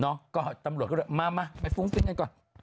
น้องก็ตำรวจก็เลยมาไปฟรุ้งฟริ้งกันก่อน